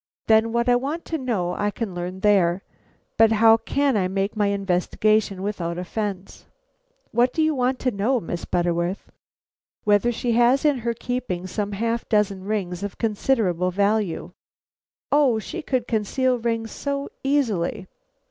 "Then what I want to know I can learn there. But how can I make my investigations without offence?" "What do you want to know, Miss Butterworth?" "Whether she has in her keeping some half dozen rings of considerable value." "Oh! she could conceal rings so easily."